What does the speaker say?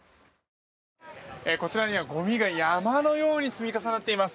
こちらにはゴミが山のように積み重なっています。